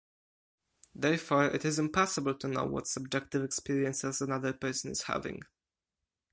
Therefore it is impossible to know what subjective experiences another person is having.